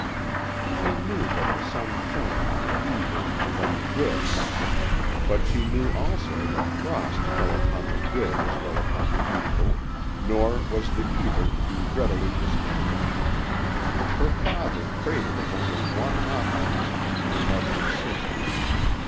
She knew that the sun shone on the evil and on the good, but she knew also that frost fell upon the good as well as upon the evil nor was the evil to be readily distinguished. Her father prated of only one offense, her mother's sin.